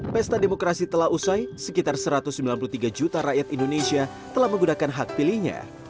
pesta demokrasi telah usai sekitar satu ratus sembilan puluh tiga juta rakyat indonesia telah menggunakan hak pilihnya